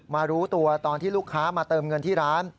รู้ตัวตอนที่ลูกค้ามาเติมเงินที่ร้าน